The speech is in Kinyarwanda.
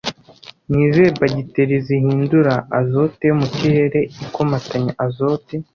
Ni izihe bagiteri zihindura azote yo mu kirere ikomatanya azote